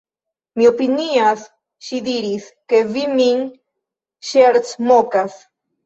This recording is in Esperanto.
Mi opinias, ŝi diris, ke vi min ŝercmokas.